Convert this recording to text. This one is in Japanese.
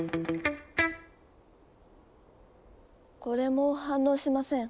これも反応しません。